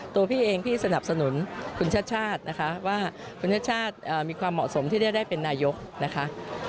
พี่เองพี่สนับสนุนคุณชาติชาตินะคะว่าคุณชาติชาติมีความเหมาะสมที่จะได้เป็นนายกนะคะ